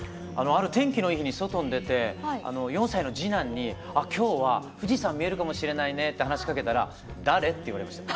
ある天気のいい日に外に出て４歳の次男に「今日は富士山見えるかもしれないね」って話しかけたら「誰？」って言われました。